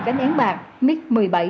cánh án bạc mích một mươi bảy